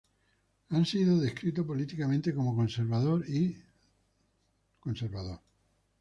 Ha sido descrito políticamente como conservador y libertario.